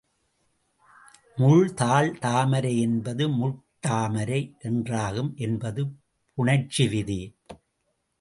முள் தாள் தாமரை என்பது முட்டாட்டாமரை என்றாகும் என்பது புணர்ச்சி விதி.